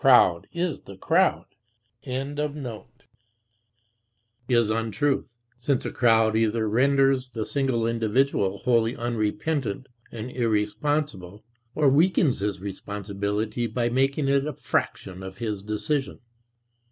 but in its very concept [Note 4] is untruth, since a crowd either renders the single individual wholly unrepentant and irresponsible, or weakens his responsibility by making it a fraction of his decision.